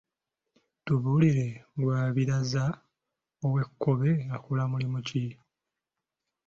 Tubuulire Lwabiriza ow'Ekkobe akola mulimu ki?